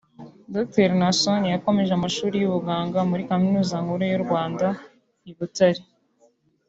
Dr Naasson yakomeje amashuri y’ubuganga muri Kaminuza Nkuru y’u Rwanda i Butare